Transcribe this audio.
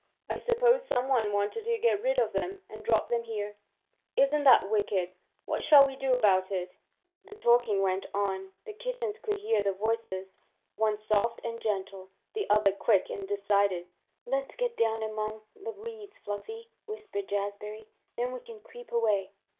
"I suppose some one wanted to get rid of them and dropped them here." "Isn't that wicked! What shall we do about it?" [Illustration: They were almost hidden by the dusty weeds] The talking went on. The kittens could hear the voices, one soft and gentle, the other quick and decided. "Let's get down among the weeds, Fluffy," whispered Jazbury. "Then we can creep away."